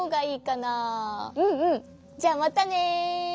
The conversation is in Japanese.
うんうんじゃあまたね。